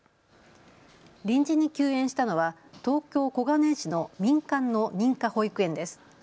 臨時に休園したのは東京小金井市の民間の認可保育園です。